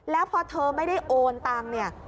แล้วพอเธอไม่ได้โอนตัง